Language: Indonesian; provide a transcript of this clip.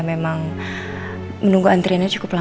cuman ya memang menunggu antriannya cukup lama ya